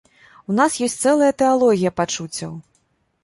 У нас ёсць цэлая тэалогія пачуццяў.